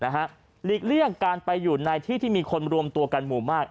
หลีกเลี่ยงการไปอยู่ในที่ที่มีคนรวมตัวกันหมู่มาก